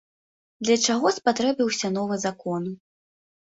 Для чаго спатрэбіўся новы закон?